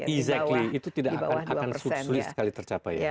exactly itu tidak akan sulit sekali tercapai ya